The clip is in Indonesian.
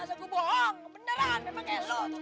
tak usah gue bohong